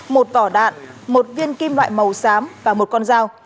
một vỏ đạn một viên kim loại màu xám và một con dao